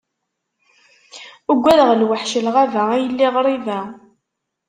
Uggadeɣ lwaḥc n lɣaba a yelli ɣriba.